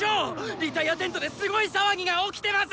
リタイアテントですごい騒ぎが起きてます！